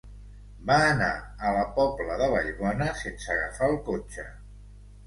Va anar a la Pobla de Vallbona sense agafar el cotxe.